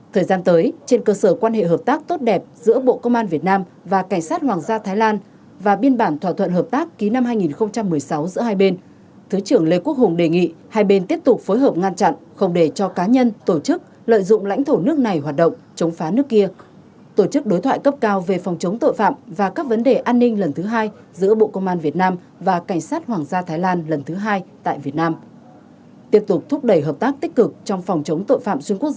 thời gian tới trên cơ sở quan hệ hợp tác tốt đẹp giữa bộ công an việt nam và cảnh sát hoàng gia thái lan và biên bản thỏa thuận hợp tác ký năm hai nghìn một mươi sáu giữa hai bên thứ trưởng lê quốc hùng đề nghị hai bên tiếp tục phối hợp ngăn chặn không để cho cá nhân tổ chức lợi dụng lãnh thổ nước này hoạt động chống phá nước kia tổ chức đối thoại cấp cao về phòng chống tội phạm và các vấn đề an ninh lần thứ hai giữa bộ công an việt nam và cảnh sát hoàng gia thái lan lần thứ hai tại việt nam tiếp tục thúc đẩy hợp tác tích cực trong phòng chống